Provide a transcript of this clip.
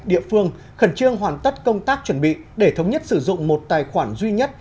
địa phương khẩn trương hoàn tất công tác chuẩn bị để thống nhất sử dụng một tài khoản duy nhất